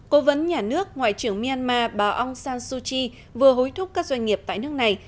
cố vấn nhà nước ngoại trưởng myanmar bà aung san suu kyi vừa hối thúc các doanh nghiệp tại nước này